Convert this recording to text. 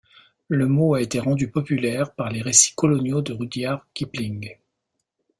Le mot a été rendu populaire par les récits coloniaux de Rudyard Kipling.